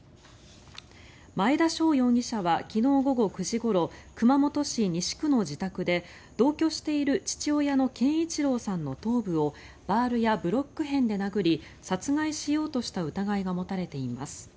前田翔容疑者は昨日午後９時ごろ熊本市西区の自宅で同居している父親の憲一郎さんの頭部をバールやブロック片で殴り殺害しようとした疑いが持たれています。